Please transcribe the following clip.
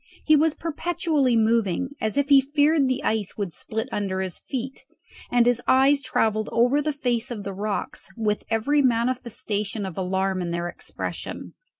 He was perpetually moving, as if he feared the ice would split under his feet, and his eyes travelled over the face of the rocks with every manifestation of alarm in their expression.